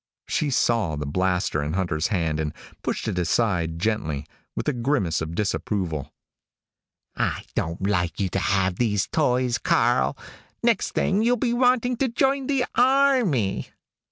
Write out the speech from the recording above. She saw the blaster in Hunter's hand and pushed it aside gently, with a grimace of disapproval. "I don't like you to have these toys, Karl. Next thing, you'll be wanting to join the army."